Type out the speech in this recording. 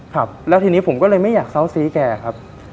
ครับแล้วทีนี้ผมก็เลยไม่อยากเศร้าซี้แกครับ